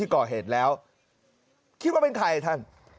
ก่อเหตุแล้วคิดว่าเป็นใครท่าน